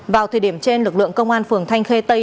vào thời điểm trên lực lượng công an phường thanh khê tây